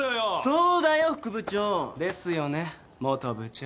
そうだよ副部長。ですよね元部長。